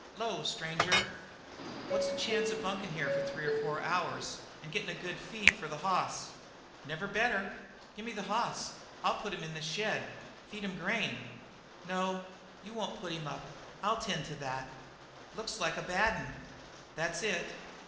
"'Lo, stranger." "What's the chance of bunking here for three or four hours and gettin' a good feed for the hoss?" "Never better. Gimme the hoss; I'll put him up in the shed. Feed him grain?" "No, you won't put him up. I'll tend to that." "Looks like a bad 'un." "That's it."